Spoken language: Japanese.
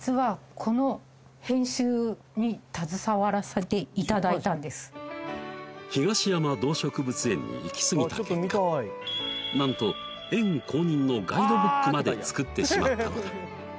これ東山動植物園に行きすぎた結果なんと園公認のガイドブックまで作ってしまったのだ